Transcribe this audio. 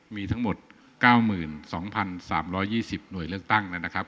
มีทั้งหมด๙๒๓๒๐หน่วยเลือกตั้งนะครับ